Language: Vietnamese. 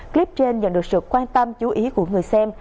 clip trên nhận được sự quan tâm chú ý của người xem